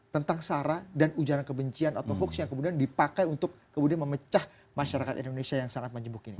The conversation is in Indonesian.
tentang sara dan ujaran kebencian atau hoax yang kemudian dipakai untuk kemudian memecah masyarakat indonesia yang sangat menjebuk ini